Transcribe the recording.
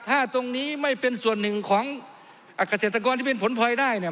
ถ้าตรงนี้ไม่เป็นส่วนหนึ่งของเกษตรกรที่เป็นผลพลอยได้เนี่ย